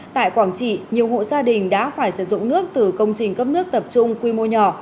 tại quảng trị nhiều hộ gia đình đã phải sử dụng nước từ công trình cấp nước tập trung quy mô nhỏ